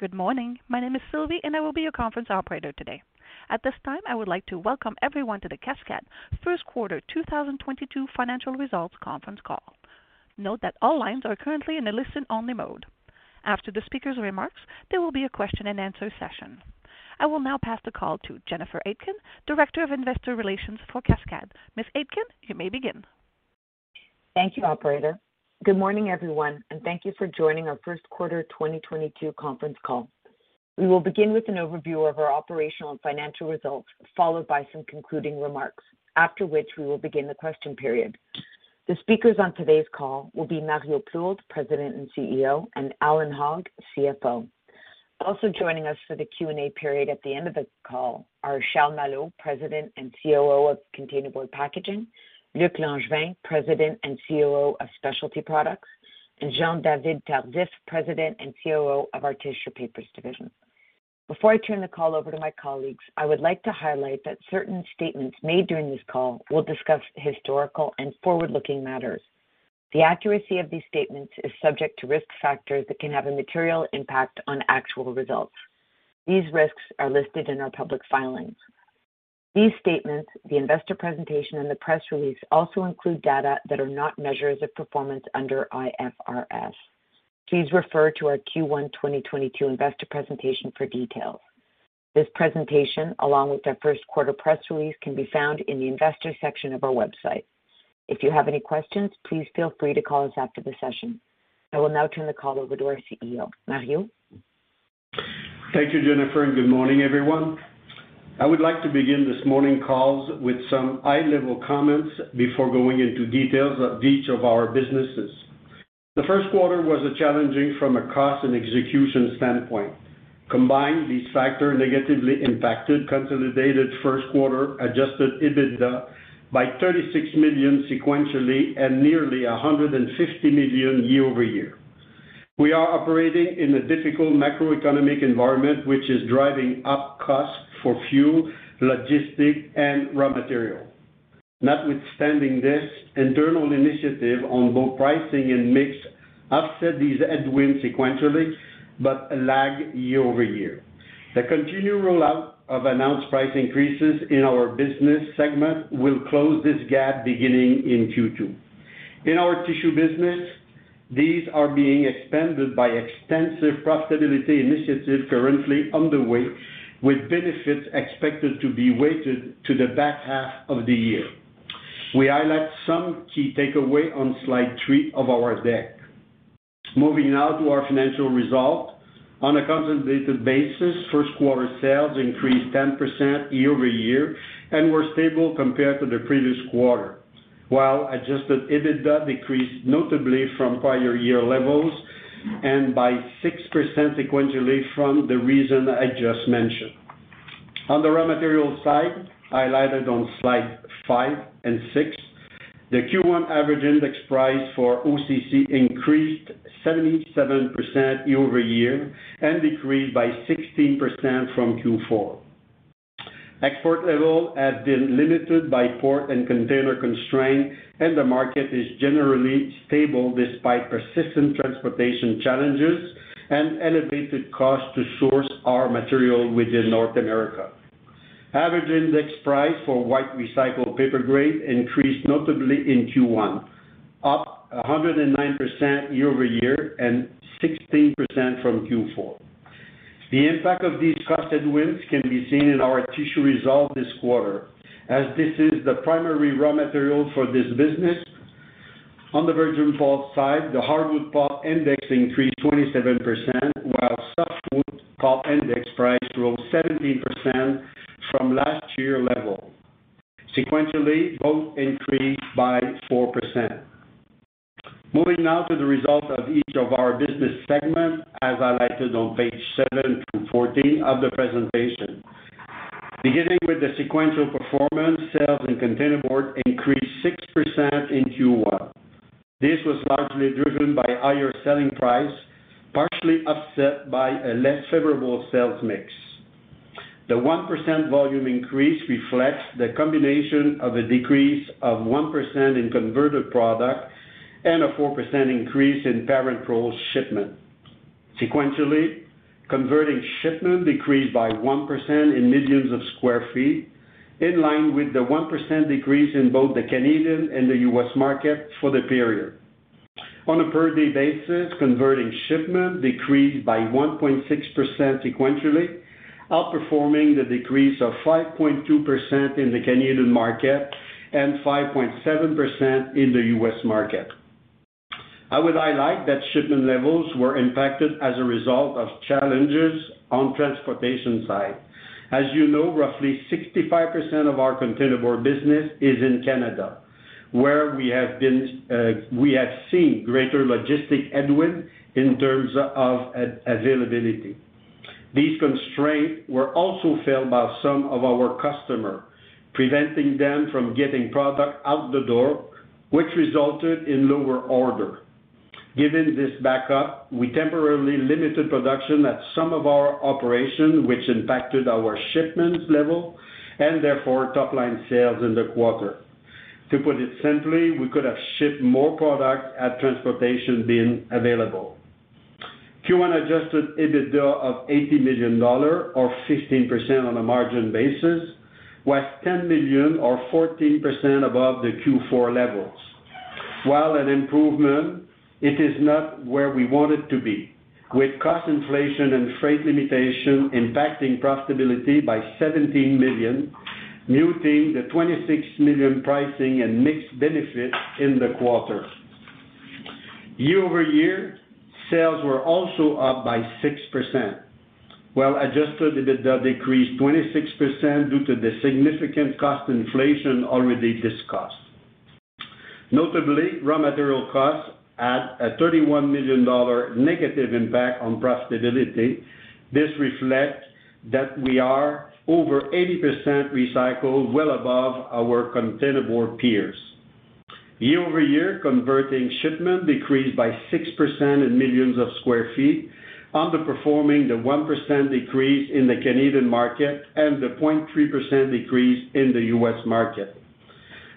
Good morning. My name is Sylvie, and I will be your conference operator today. At this time, I would like to welcome everyone to the Cascades First Quarter 2022 Financial Results Conference Call. Note that all lines are currently in a listen-only mode. After the speaker's remarks, there will be a question-and-answer session. I will now pass the call to Jennifer Aitken, Director of Investor Relations for Cascades. Ms. Aitken, you may begin. Thank you, operator. Good morning, everyone, and thank you for joining our first quarter 2022 conference call. We will begin with an overview of our operational and financial results, followed by some concluding remarks, after which we will begin the question period. The speakers on today's call will be Mario Plourde, President and CEO, and Allan Hogg, CFO. Also joining us for the Q&A period at the end of the call are Charles Malo, President and COO of Containerboard Packaging, Luc Langevin, President and COO of Specialty Products, and Jean-David Tardif, President and COO of our Tissue Papers division. Before I turn the call over to my colleagues, I would like to highlight that certain statements made during this call will discuss historical and forward-looking matters. The accuracy of these statements is subject to risk factors that can have a material impact on actual results. These risks are listed in our public filings. These statements, the investor presentation, and the press release also include data that are not measures of performance under IFRS. Please refer to our Q1 2022 investor presentation for details. This presentation, along with our first quarter press release, can be found in the Investors section of our website. If you have any questions, please feel free to call us after the session. I will now turn the call over to our CEO. Mario? Thank you, Jennifer, and good morning, everyone. I would like to begin this morning's call with some high-level comments before going into details of each of our businesses. The first quarter was challenging from a cost and execution standpoint. Combined, these factors negatively impacted consolidated first quarter Adjusted EBITDA by 36 million sequentially and nearly 150 million year-over-year. We are operating in a difficult macroeconomic environment, which is driving up costs for fuel, logistics, and raw materials. Notwithstanding this, internal initiatives on both pricing and mix offset these headwinds sequentially, but lagged year-over-year. The continued rollout of announced price increases in our business segment will close this gap beginning in Q2. In our tissue business, these are being expanded by extensive profitability initiatives currently underway, with benefits expected to be weighted to the back half of the year. We highlight some key takeaway on slide three of our deck. Moving now to our financial results. On a consolidated basis, first quarter sales increased 10% year-over-year and were stable compared to the previous quarter. While Adjusted EBITDA decreased notably from prior year levels and by 6% sequentially from the reason I just mentioned. On the raw material side, highlighted on slide five and six, the Q1 average index price for OCC increased 77% year-over-year and decreased by 16% from Q4. Export level has been limited by port and container constraints, and the market is generally stable despite persistent transportation challenges and elevated cost to source our material within North America. Average index price for white recycled paper grade increased notably in Q1, up 109% year-over-year and 16% from Q4. The impact of these cost headwinds can be seen in our tissue results this quarter, as this is the primary raw material for this business. On the virgin pulp side, the hardwood pulp index increased 27%, while softwood pulp index price rose 17% from last year level. Sequentially, both increased by 4%. Moving now to the results of each of our business segments, as highlighted on page seven. Through 14 of the presentation. Beginning with the sequential performance, sales and containerboard increased 6% in Q1. This was largely driven by higher selling price, partially offset by a less favorable sales mix. The 1% volume increase reflects the combination of a decrease of 1% in converted product and a 4% increase in parent roll shipment. Sequentially, converting shipment decreased by 1% in millions of sq ft, in line with the 1% decrease in both the Canadian and the U.S. market for the period. On a per day basis, converting shipment decreased by 1.6% sequentially, outperforming the decrease of 5.2% in the Canadian market and 5.7% in the U.S. market. I would highlight that shipment levels were impacted as a result of challenges on transportation side. As you know, roughly 65% of our containerboard business is in Canada, where we have seen greater logistics headwinds in terms of availability. These constraints were also felt by some of our customers, preventing them from getting product out the door, which resulted in lower order. Given this backup, we temporarily limited production at some of our operations, which impacted our shipments level and therefore top-line sales in the quarter. To put it simply, we could have shipped more product had transportation been available. Q1 Adjusted EBITDA of 80 million dollars or 15% on a margin basis was 10 million or 14% above the Q4 levels. While an improvement, it is not where we want it to be. With cost inflation and freight limitation impacting profitability by 17 million, muting the 26 million pricing and mixed benefit in the quarter. Year-over-year, sales were also up by 6%, while Adjusted EBITDA decreased 26% due to the significant cost inflation already discussed. Notably, raw material costs had a 31 million dollar negative impact on profitability. This reflects that we are over 80% recycled, well above our containerboard peers. Year-over-year, converting shipment decreased by 6% in millions of sq ft, underperforming the 1% decrease in the Canadian market and the 0.3% decrease in the U.S. market.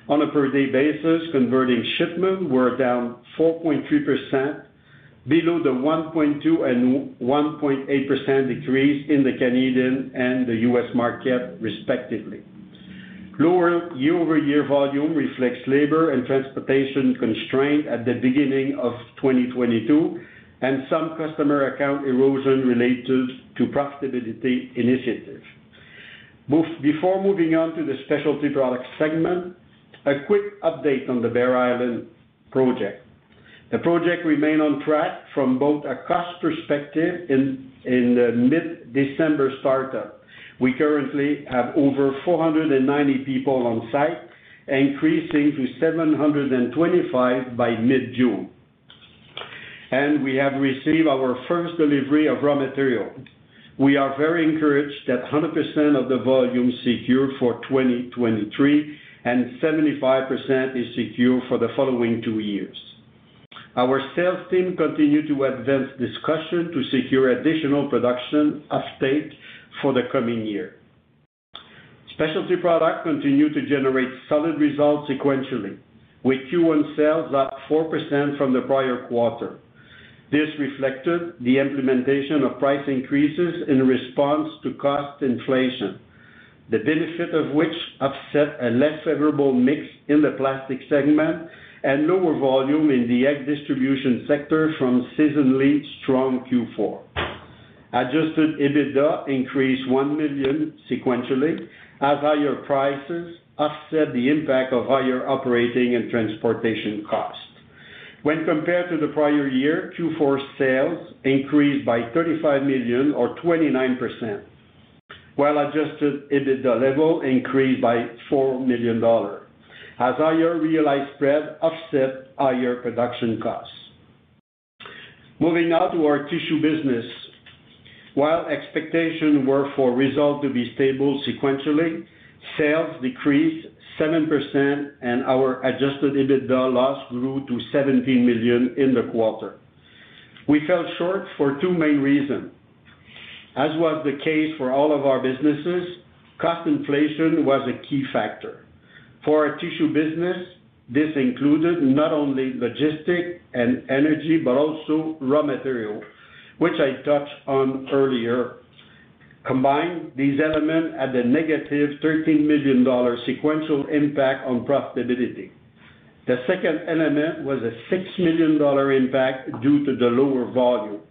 On a per day basis, converting shipment were down 4.3%, below the 1.2% and 0.18% decrease in the Canadian and the U.S. market, respectively. Lower year-over-year volume reflects labor and transportation constraint at the beginning of 2022, and some customer account erosion related to profitability initiative. Before moving on to the specialty product segment, a quick update on the Bear Island project. The project remain on track from both a cost perspective in the mid-December startup. We currently have over 490 people on site, increasing to 725 by mid-June. We have received our first delivery of raw material. We are very encouraged that 100% of the volume secured for 2023 and 75% is secure for the following two years. Our sales team continue to advance discussion to secure additional production offtake for the coming year. Specialty Products continued to generate solid results sequentially, with Q1 sales up 4% from the prior quarter. This reflected the implementation of price increases in response to cost inflation, the benefit of which offset a less favorable mix in the plastic segment and lower volume in the egg distribution sector from seasonally strong Q4. Adjusted EBITDA increased 1 million sequentially as higher prices offset the impact of higher operating and transportation costs. When compared to the prior year, Q4 sales increased by 35 million or 29%, while Adjusted EBITDA level increased by 4 million dollars as higher realized spread offset higher production costs. Moving now to our tissue business. While expectations were for results to be stable sequentially, sales decreased 7% and our Adjusted EBITDA loss grew to 17 million in the quarter. We fell short for two main reasons. As was the case for all of our businesses, cost inflation was a key factor. For our tissue business, this included not only logistics and energy, but also raw materials, which I touched on earlier. Combined, these elements had a -13 million dollar sequential impact on profitability. The second element was a 6 million dollar impact due to the lower volume.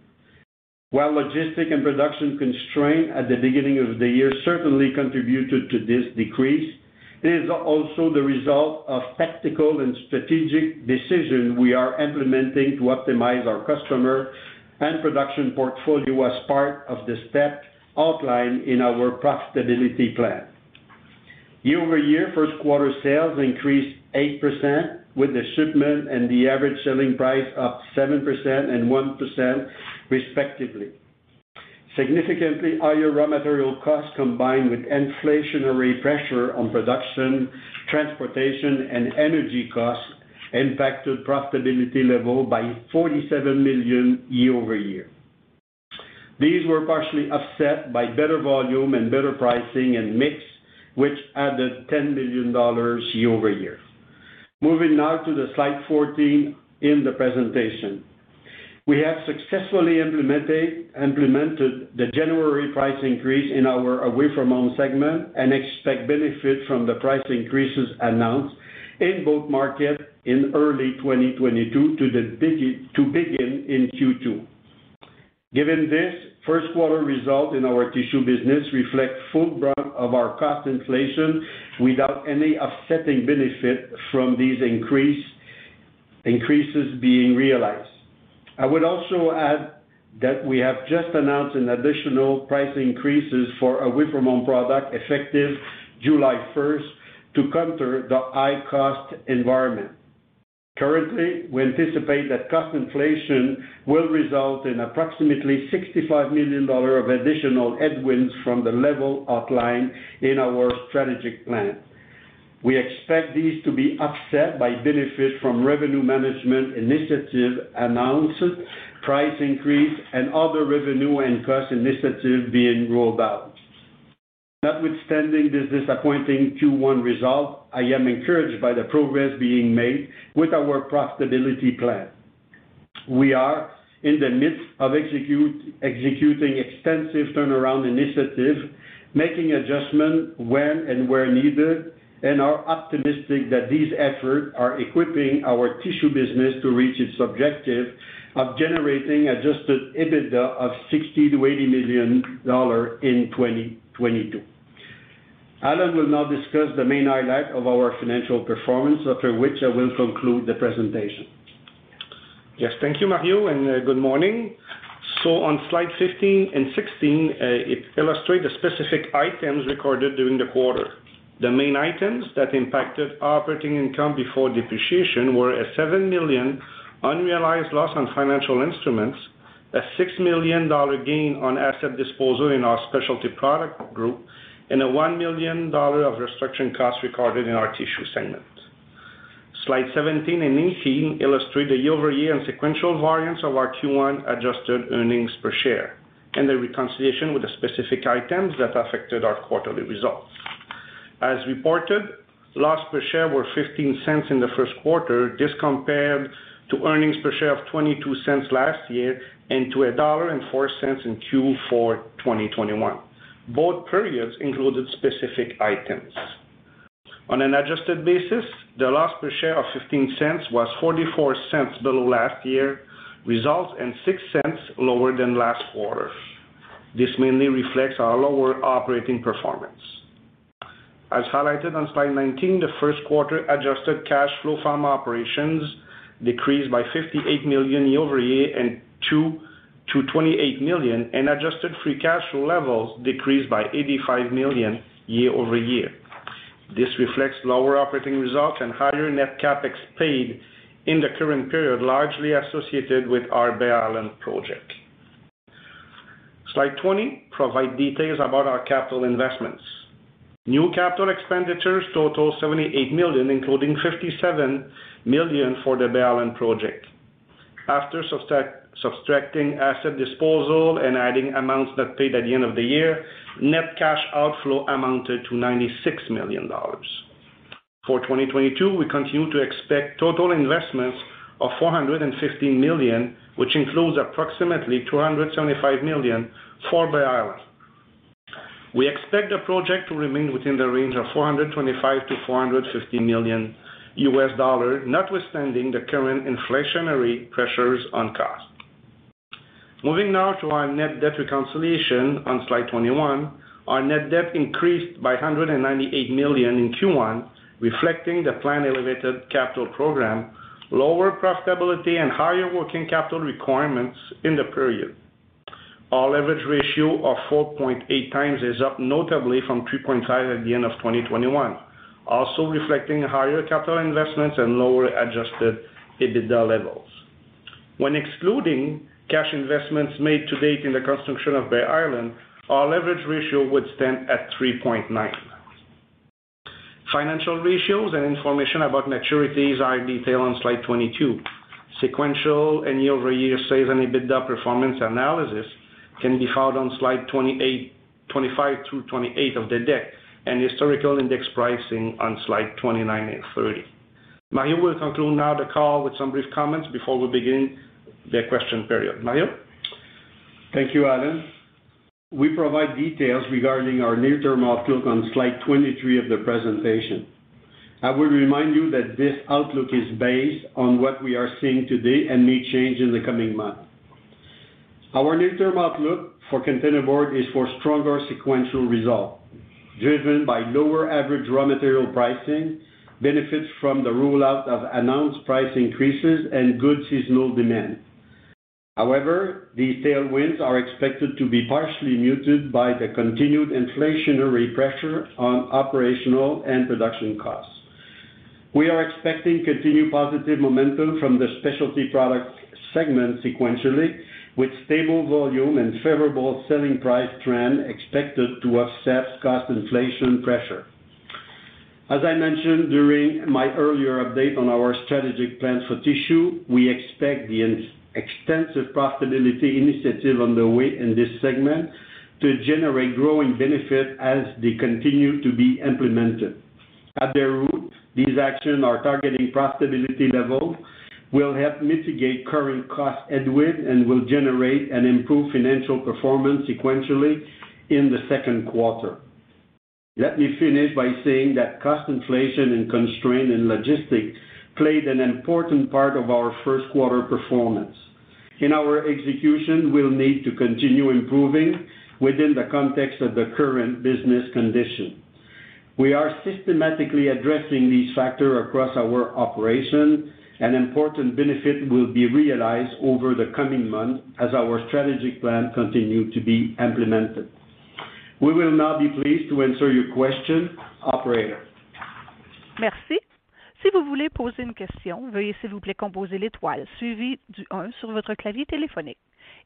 While logistics and production constraints at the beginning of the year certainly contributed to this decrease, it is also the result of tactical and strategic decisions we are implementing to optimize our customer and production portfolio as part of the steps outlined in our profitability plan. Year-over-year, first quarter sales increased 8% with the shipment and the average selling price up 7% and 1% respectively. Significantly, higher raw material costs combined with inflationary pressure on production, transportation, and energy costs impacted profitability level by 47 million year-over-year. These were partially offset by better volume and better pricing and mix, which added 10 million dollars year-over-year. Moving now to slide 14 in the presentation. We have successfully implemented the January price increase in our away-from-home segment and expect benefit from the price increases announced in both markets in early 2022 to begin in Q2. Given this, first quarter result in our tissue business reflect full brunt of our cost inflation without any offsetting benefit from these increases being realized. I would also add that we have just announced an additional price increases for away-from-home product effective July first to counter the high cost environment. Currently, we anticipate that cost inflation will result in approximately 65 million dollars of additional headwinds from the level outlined in our strategic plan. We expect these to be offset by benefit from revenue management initiative announced, price increase, and other revenue and cost initiatives being rolled out. Notwithstanding this disappointing Q1 result, I am encouraged by the progress being made with our profitability plan. We are in the midst of executing extensive turnaround initiative, making adjustment when and where needed, and are optimistic that these efforts are equipping our tissue business to reach its objective of generating Adjusted EBITDA of 60 million-80 million dollars in 2022. Allan will now discuss the main highlight of our financial performance, after which I will conclude the presentation. Yes. Thank you, Mario, and good morning. On slide 15 and 16, it illustrate the specific items recorded during the quarter. The main items that impacted operating income before depreciation were a 7 million unrealized loss on financial instruments, a 6 million dollar gain on asset disposal in our Specialty Products Group, and a 1 million dollar of restructuring costs recorded in our Tissue Papers segment. Slide 17 and 18 illustrate the year-over-year and sequential variance of our Q1 adjusted earnings per share and the reconciliation with the specific items that affected our quarterly results. As reported, loss per share were 0.15 in the first quarter. This compared to earnings per share of 0.22 last year and to 1.04 dollar in Q4 2021. Both periods included specific items. On an adjusted basis, the loss per share of 0.15 was 0.44 below last year, results in 0.06 lower than last quarter. This mainly reflects our lower operating performance. As highlighted on slide 19, the first quarter adjusted cash flow from operations decreased by 58 million year-over-year and 22.8 million, and adjusted free cash flow levels decreased by 85 million year-over-year. This reflects lower operating results and higher net CapEx paid in the current period, largely associated with our Bear Island project. Slide 20 provide details about our capital investments. New capital expenditures total 78 million, including 57 million for the Bear Island project. After subtracting asset disposal and adding amounts that paid at the end of the year, net cash outflow amounted to 96 million dollars. For 2022, we continue to expect total investments of 450 million, which includes approximately $275 million for Bear Island. We expect the project to remain within the range of $425 million-$450 million, notwithstanding the current inflationary pressures on cost. Moving now to our net debt reconciliation on slide 21. Our net debt increased by 198 million in Q1, reflecting the planned elevated capital program, lower profitability and higher working capital requirements in the period. Our leverage ratio of 4.8x is up notably from 3.5 at the end of 2021, also reflecting higher capital investments and lower Adjusted EBITDA levels. When excluding cash investments made to date in the construction of Bear Island, our leverage ratio would stand at 3.9. Financial ratios and information about maturities are in detail on slide 22. Sequential and year-over-year sales and EBITDA performance analysis can be found on slides 25 through 28 of the deck and historical index pricing on slides 29 and 30. Mario will conclude now the call with some brief comments before we begin the question period. Mario. Thank you, Allan. We provide details regarding our near-term outlook on slide 23 of the presentation. I will remind you that this outlook is based on what we are seeing today and may change in the coming months. Our near-term outlook for Containerboard is for stronger sequential results, driven by lower average raw material pricing, benefits from the rollout of announced price increases and good seasonal demand. However, these tailwinds are expected to be partially muted by the continued inflationary pressure on operational and production costs. We are expecting continued positive momentum from the specialty product segment sequentially, with stable volume and favorable selling price trend expected to offset cost inflation pressure. As I mentioned during my earlier update on our strategic plans for tissue, we expect the extensive profitability initiative underway in this segment to generate growing benefit as they continue to be implemented. At their root, these actions are targeting profitability levels that will help mitigate current cost headwinds and will generate improved financial performance sequentially in the second quarter. Let me finish by saying that cost inflation and constraints in logistics played an important part in our first quarter performance. In our execution, we'll need to continue improving within the context of the current business conditions. We are systematically addressing these factors across our operations, and important benefits will be realized over the coming months as our strategic plan continues to be implemented. We will now be pleased to answer your questions. Operator? Merci. Si vous voulez poser une question, veuillez s'il vous plaît composer l'étoile suivi du un sur votre clavier téléphonique.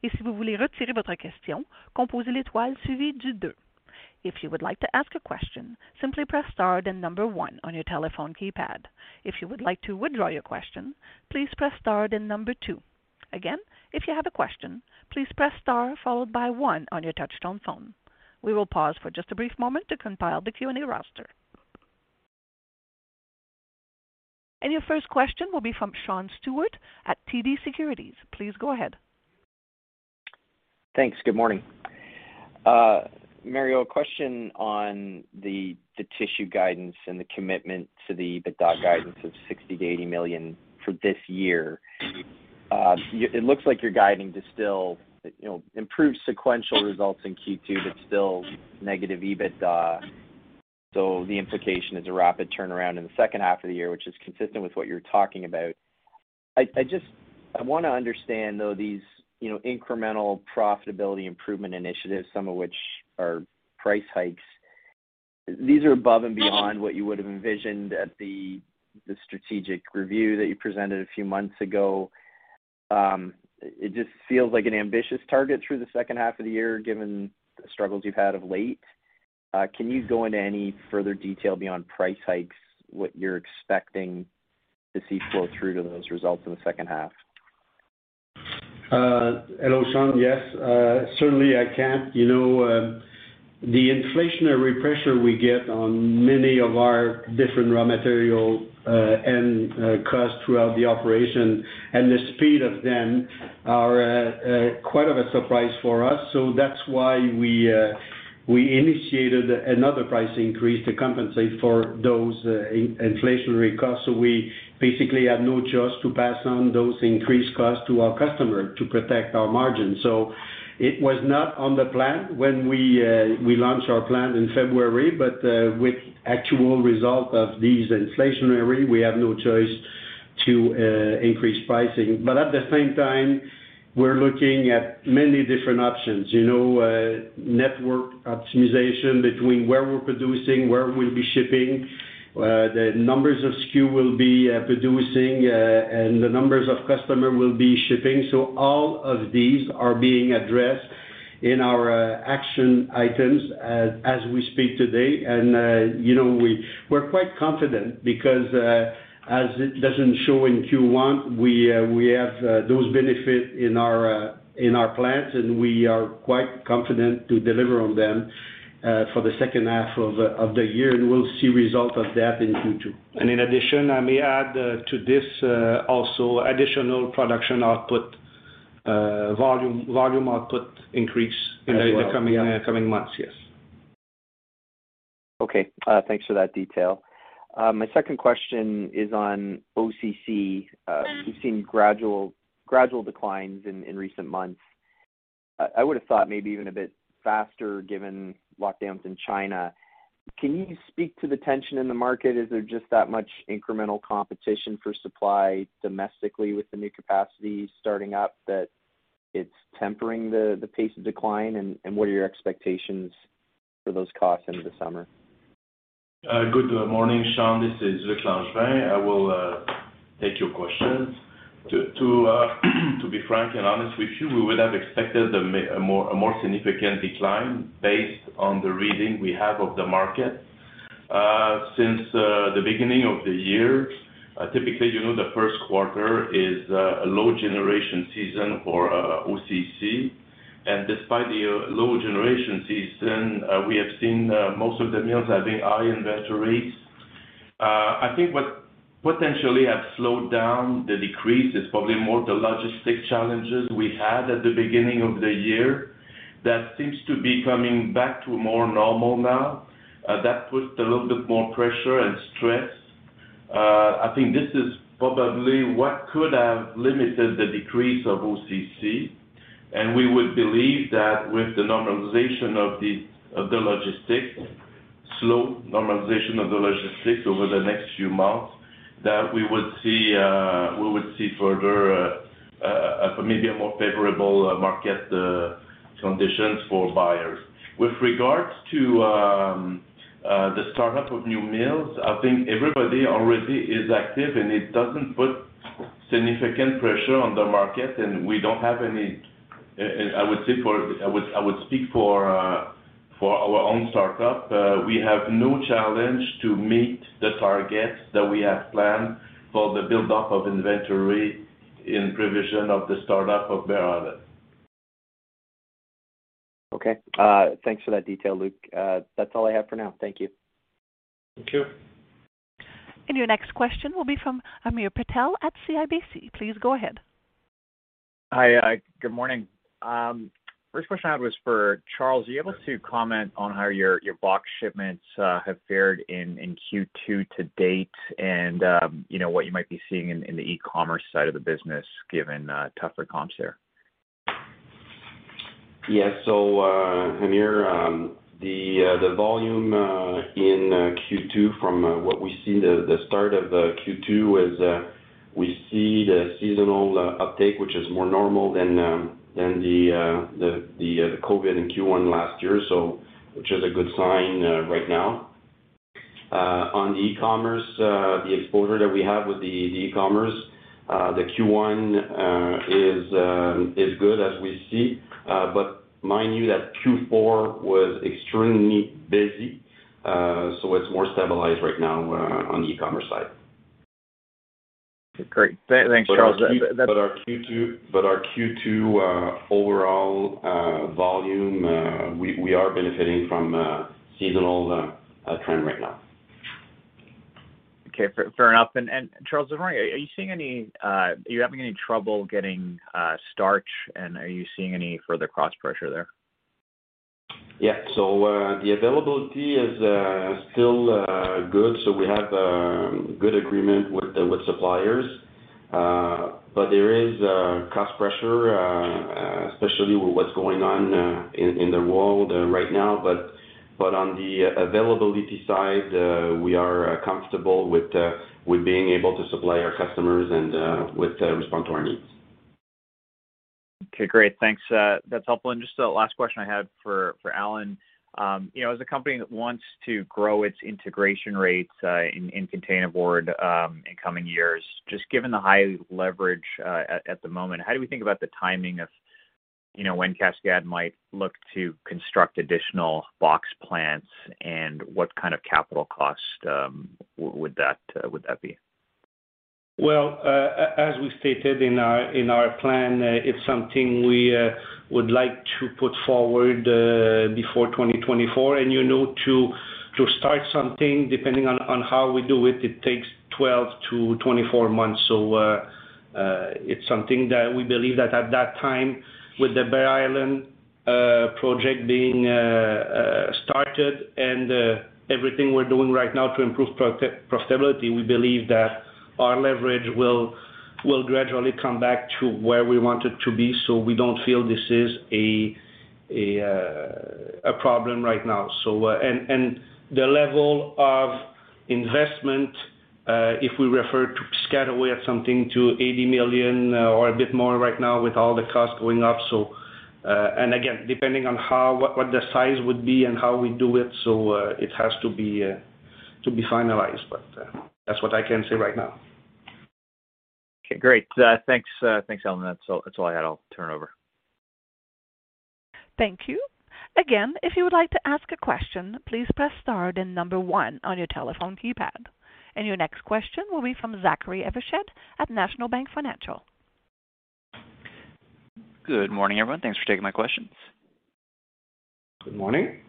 Et si vous voulez retirer votre question, composez l'étoile suivi du deux. If you would like to ask a question, simply press star then number one on your telephone keypad. If you would like to withdraw your question, please press star then number two. Again, if you have a question, please press star followed by one on your touchtone phone. We will pause for just a brief moment to compile the Q&A roster. Your first question will be from Sean Steuart at TD Securities. Please go ahead. Thanks. Good morning. Mario, a question on the tissue guidance and the commitment to the EBITDA guidance of 60 million-80 million for this year. It looks like you're guiding to still, you know, improve sequential results in Q2, but still negative EBITDA. The implication is a rapid turnaround in the second half of the year, which is consistent with what you're talking about. I just wanna understand, though, these, you know, incremental profitability improvement initiatives, some of which are price hikes. These are above and beyond what you would have envisioned at the strategic review that you presented a few months ago. It just feels like an ambitious target through the second half of the year, given the struggles you've had of late. Can you go into any further detail beyond price hikes, what you're expecting to see flow through to those results in the second half? Hello, Sean. Yes, certainly, I can. You know, the inflationary pressure we get on many of our different raw material and cost throughout the operation and the speed of them are quite of a surprise for us. That's why we initiated another price increase to compensate for those inflationary costs. We basically have no choice to pass on those increased costs to our customer to protect our margins. It was not on the plan when we launched our plan in February, but with actual result of these inflationary, we have no choice to increase pricing. At the same time, we're looking at many different options, you know, network optimization between where we're producing, where we'll be shipping, the numbers of SKU we'll be producing, and the numbers of customers we'll be shipping. All of these are being addressed in our action items as we speak today. You know, we're quite confident because as it doesn't show in Q1, we have those benefits in our plans, and we are quite confident to deliver on them for the second half of the year. We'll see results of that in Q2. In addition, I may add, to this, also additional production output, volume output increase As well, yep. in the coming months. Yes. Okay, thanks for that detail. My second question is on OCC. We've seen gradual declines in recent months. I would have thought maybe even a bit faster given lockdowns in China. Can you speak to the tension in the market? Is there just that much incremental competition for supply domestically with the new capacity starting up that it's tempering the pace of decline? What are your expectations for those costs into the summer? Good morning, Sean. This is Luc Langevin. I will take your questions. To be frank and honest with you, we would have expected a more significant decline based on the reading we have of the market. Since the beginning of the year, typically, you know, the first quarter is a low generation season for OCC. Despite the low generation season, we have seen most of the mills having high inventory. I think what potentially have slowed down the decrease is probably more the logistic challenges we had at the beginning of the year that seems to be coming back to more normal now. That put a little bit more pressure and stress. I think this is probably what could have limited the decrease of OCC, and we would believe that with the slow normalization of the logistics over the next few months, that we would see further maybe a more favorable market conditions for buyers. With regards to the startup of new mills, I think everybody already is active, and it doesn't put significant pressure on the market, and we don't have any. I would speak for our own startup. We have no challenge to meet the targets that we have planned for the buildup of inventory in provision of the startup of Bear Island. Okay. Thanks for that detail, Luc. That's all I have for now. Thank you. Thank you. Your next question will be from Hamir Patel at CIBC. Please go ahead. Hi. Good morning. First question I had was for Charles. Are you able to comment on how your box shipments have fared in Q2 to date and you know what you might be seeing in the e-commerce side of the business given tougher comps there? Yeah, Hamir, the volume in Q2 from what we see, the start of Q2 is, we see the seasonal uptake, which is more normal than the COVID in Q1 last year, which is a good sign right now. On the e-commerce, the exposure that we have with the e-commerce, Q1 is good as we see. Mind you that Q4 was extremely busy, so it's more stabilized right now on the e-commerce side. Great. Thanks, Charles. That Our Q2 overall volume, we are benefiting from seasonal trend right now. Okay. Fair enough. Charles, this morning, are you having any trouble getting starch, and are you seeing any further cost pressure there? Yeah. The availability is still good. We have good agreement with suppliers. There is cost pressure, especially with what's going on in the world right now. On the availability side, we are comfortable with being able to supply our customers and with responding to our needs. Okay, great. Thanks. That's helpful. Just the last question I had for Allan. You know, as a company that wants to grow its integration rates in containerboard in coming years, just given the high leverage at the moment, how do we think about the timing of, you know, when Cascades might look to construct additional box plants, and what kind of capital cost would that be? Well, as we stated in our plan, it's something we would like to put forward before 2024. You know, to start something, depending on how we do it takes 12 to 24 months. It's something that we believe that at that time, with the Bear Island project being started and everything we're doing right now to improve profitability, we believe that our leverage will gradually come back to where we want it to be. We don't feel this is a problem right now. The level of investment, if we refer to Piscataway at something to 80 million or a bit more right now with all the costs going up. Again, depending on how, what the size would be and how we do it, so it has to be finalized. That's what I can say right now. Okay, great. Thanks, Allan. That's all I had. I'll turn over. Thank you. Again, if you would like to ask a question, please press star then number one on your telephone keypad. Your next question will be from Zachary Evershed at National Bank Financial. Good morning, everyone. Thanks for taking my questions. Good morning.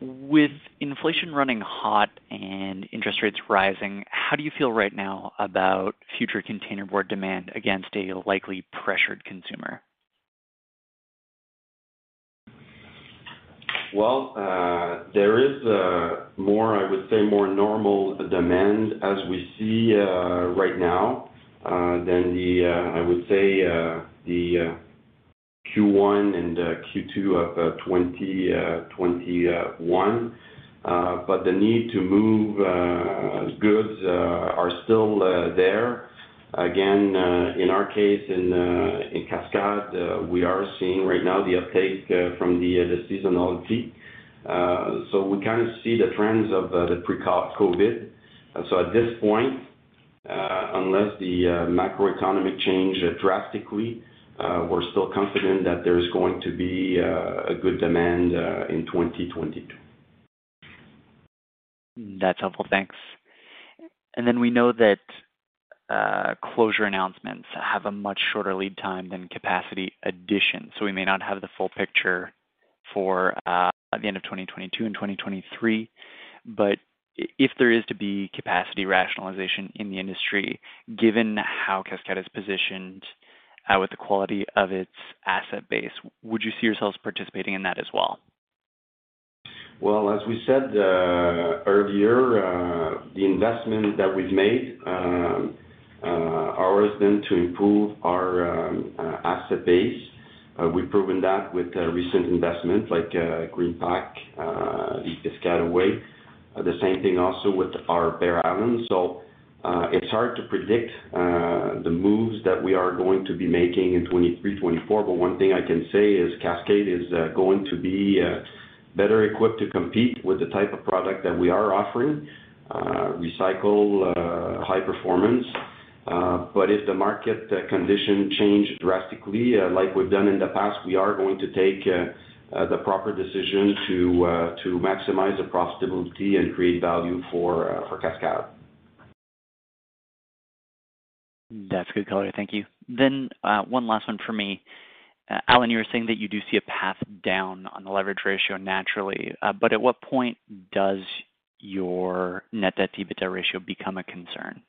With inflation running hot and interest rates rising, how do you feel right now about future containerboard demand against a likely pressured consumer? Well, there is a more, I would say, more normal demand as we see right now than the, I would say, the Q1 and Q2 of 2021. The need to move goods are still there. Again, in our case, in Cascades, we are seeing right now the uptake from the seasonality. We kinda see the trends of the pre-COVID. At this point, unless the macroeconomic change drastically, we're still confident that there is going to be a good demand in 2022. That's helpful. Thanks. Then we know that closure announcements have a much shorter lead time than capacity addition, so we may not have the full picture for the end of 2022 and 2023. If there is to be capacity rationalization in the industry, given how Cascades is positioned, with the quality of its asset base, would you see yourselves participating in that as well? Well, as we said earlier, the investment that we've made allows then to improve our asset base. We've proven that with recent investment like Greenpac, the Piscataway. The same thing also with our Bear Island. It's hard to predict the moves that we are going to be making in 2023, 2024, but one thing I can say is Cascades is going to be better equipped to compete with the type of product that we are offering, recycle high performance. But if the market condition change drastically, like we've done in the past, we are going to take the proper decision to maximize the profitability and create value for Cascades. That's good color. Thank you. One last one for me. Allan, you were saying that you do see a path down on the leverage ratio naturally, but at what point does your net debt-to-EBITDA ratio become a concern?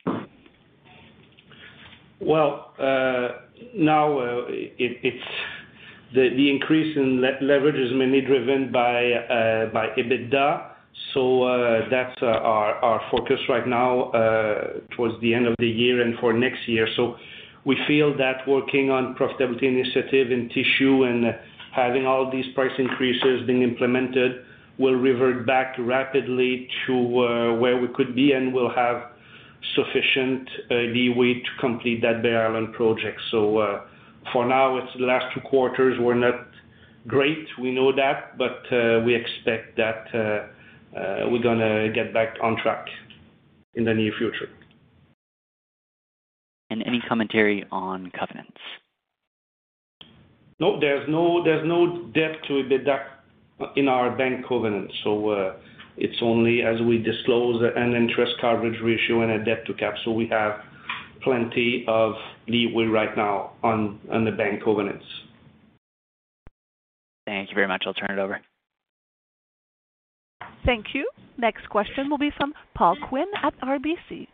The increase in leverage is mainly driven by EBITDA, so that's our focus right now towards the end of the year and for next year. We feel that working on profitability initiative in tissue and having all these price increases being implemented will revert back rapidly to where we could be and will have sufficient leeway to complete that Bear Island project. For now, it's that the last two quarters were not great, we know that, but we expect that we're gonna get back on track in the near future. Any commentary on covenants? No, there's no debt to EBITDA in our bank covenant. It's only as we disclose an interest coverage ratio and a debt-to-capital. We have plenty of leeway right now on the bank covenants. Thank you very much. I'll turn it over. Thank you. Next question will be from Paul Quinn at RBC.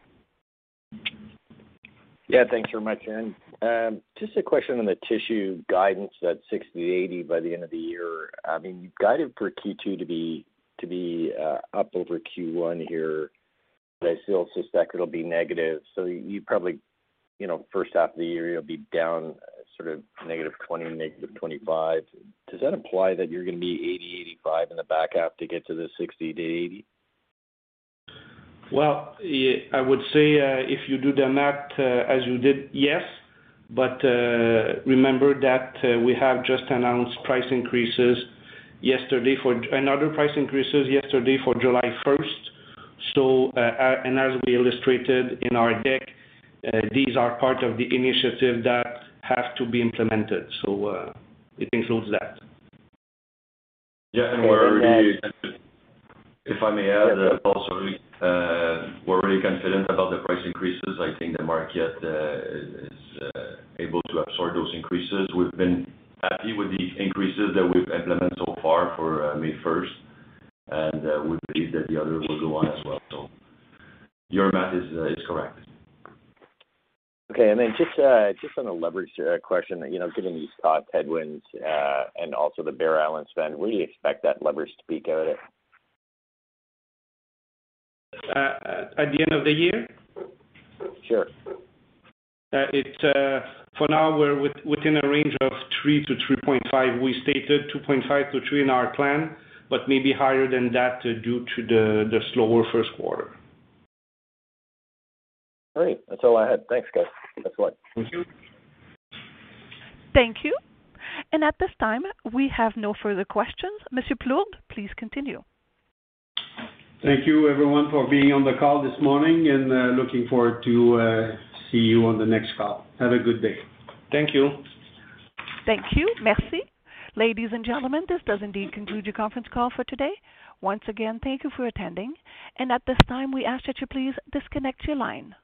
Yeah, thanks very much, Allan. Just a question on the tissue guidance at 60-80 by the end of the year. I mean, you've guided for Q2 to be up over Q1 here, but I still suspect it'll be negative. You probably, you know, first half of the year, you'll be down sort of -20, -25. Does that imply that you're gonna be 80, 85 in the back half to get to the 60-80? Well, I would say, if you do the math, as you did, yes. Remember that we have just announced price increases yesterday, another price increases yesterday for July first. And as we illustrated in our deck, these are part of the initiative that have to be implemented. It includes that. Yeah, and we're already, if I may add, Paul, sorry. We're really confident about the price increases. I think the market is able to absorb those increases. We've been happy with the increases that we've implemented so far for May first, and we believe that the others will go on as well. Your math is correct. Okay. Just on a leverage question, you know, given these tough headwinds, and also the Bear Island spend, where do you expect that leverage to peak out at? At the end of the year? Sure. For now we're within a range of 3%-3.5%. We stated 2.5%-3% in our plan, but maybe higher than that due to the slower first quarter. Great. That's all I had. Thanks, guys. That's all. Thank you. Thank you. At this time, we have no further questions. Mr Plourde, please continue. Thank you everyone for being on the call this morning, and looking forward to see you on the next call. Have a good day. Thank you. Thank you. Merci. Ladies and gentlemen, this does indeed conclude your conference call for today. Once again, thank you for attending. At this time, we ask that you please disconnect your line.